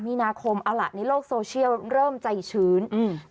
มีนาคมเอาล่ะในโลกโซเชียลเริ่มใจชื้นอืม